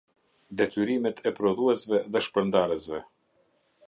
Detyrimet e prodhuesve dhe shpërndarësve.